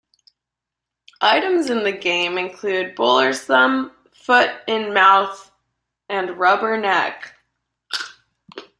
Items in the game include "Bowler's Thumb", "Foot in Mouth", and "Rubber Neck".